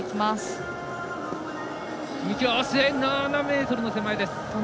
７ｍの手前です。